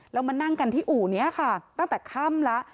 แล้วมานั่งกันที่อู่นี้ค่ะตั้งแต่ค่ำแล้ว